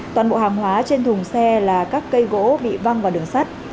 toàn bộ hàng hóa trên thùng xe là các cây gỗ bị văng vào đường sắt